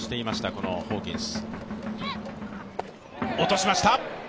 このホーキンス。